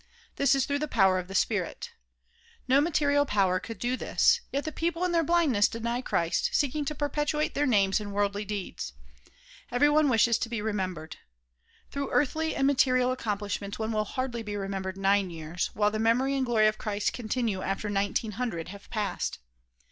This is through the power of the spirit. No material power could do this. Yet people in their blindness deny Christ, seeking to perpetuate their names in worldly deeds. Everyone wishes to be remembered. Through earthly and material accomplishments one will hardly be remembered nine years, while the memory and gloiy of Christ continue after nineteen hundred have passed.